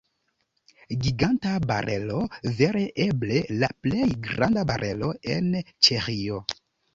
Giganta barelo, vere eble la plej granda barelo en Ĉeĥio.